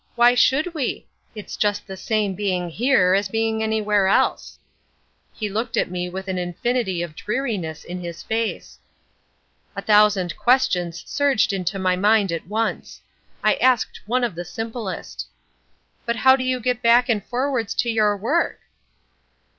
"Why should we? It's just the same being here as being anywhere else." He looked at me with an infinity of dreariness in his face. A thousand questions surged into my mind at once. I asked one of the simplest. "But how do you get back and forwards to your work?"